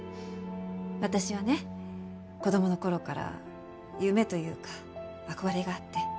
私はね子どもの頃から夢というか憧れがあって。